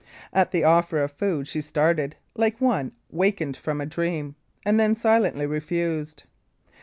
At the offer of food she started, like one wakened from a dream, and then silently refused.